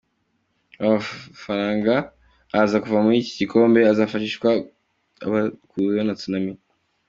Amafaranga azava muri iki gikombe azafashishwa abakozweho na Tsunami.